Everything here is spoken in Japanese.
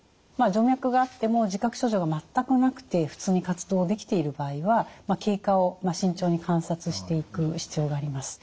徐脈があっても自覚症状が全くなくて普通に活動できている場合は経過を慎重に観察していく必要があります。